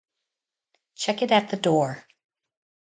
Check it at the door.